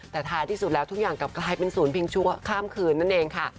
แต่ท้ายที่สุดแล้วทุกอย่างกลับกลายเป็นศูนย์พิงชั่วข้ามคืนนั่นเองค่ะ